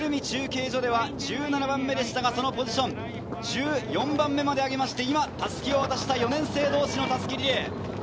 中継所では１７番目でしたが、そのポジション、１４番目まで上げて今、襷を渡した４年生同士の襷リレー。